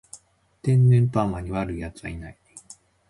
天然パーマに悪い奴はいない